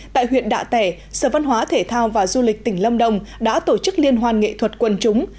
tại huyện đạ tẻ sở văn hóa thể thao và du lịch tỉnh lâm đồng đã tổ chức liên hoan nghệ thuật quần chúng